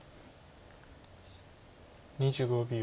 ２５秒。